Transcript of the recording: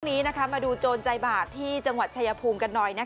วันนี้มาดูโจรใจบาปที่จังหวัดชายภูมิกันหน่อย